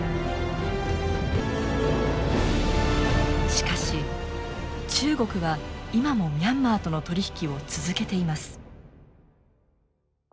しかし中国は今もミャンマーとの取り引きを続けています。